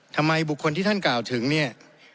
ทำไมบุคคลที่ท่านกล่าวถึงเนี่ย